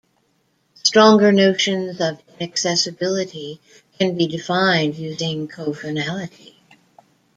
Stronger notions of inaccessibility can be defined using cofinality.